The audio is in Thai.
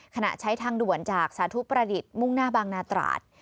ขณะใช้ทางด่วนจากสาธุประดิษฐ์มุ่งหน้าบางนาตราด